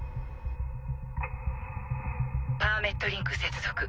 パーメットリンク接続。